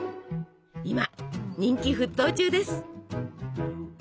今人気沸騰中です！